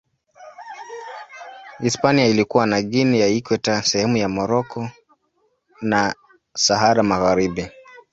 Hispania ilikuwa na Guinea ya Ikweta, sehemu za Moroko na Sahara Magharibi.